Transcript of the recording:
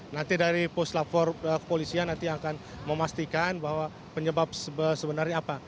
nanti dari post lapor kepolisian akan memastikan bahwa penyebab sebenarnya apa